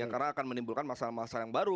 karena akan menimbulkan masalah masalah yang baru